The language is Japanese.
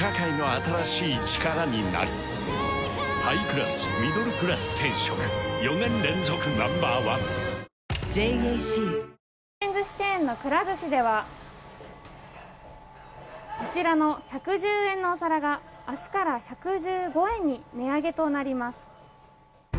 回転寿司チェーンのくら寿司ではこちらの１１０円のお皿が明日から１１５円に値上げとなります。